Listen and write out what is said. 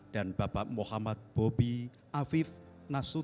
dan bapak muhammad bobi afif nasut